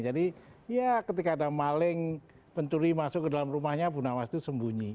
jadi ya ketika ada maling pencuri masuk ke dalam rumahnya abu nawas itu sembunyi